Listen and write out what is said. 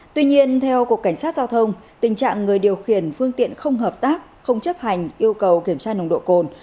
tuy nhiên theo cục cảnh sát giao thông tình trạng người điều khiển phương tiện không hợp tác không chấp hành yêu cầu kiểm tra nồng độ cồn